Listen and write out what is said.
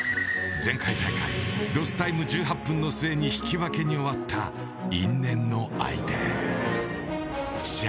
前回大会、ロスタイム１８分の末に引き分けに終わった因縁の相手です。